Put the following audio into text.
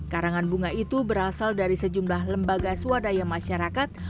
karangan bunga itu berasal dari sejumlah lembaga swadaya masyarakat